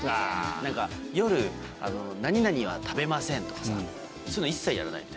なんか夜、何々は食べませんとかさ、そういうの一切やらないって。